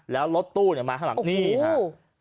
แล้วรถตู้เนี่ยมาข้างหลังนี่ครับ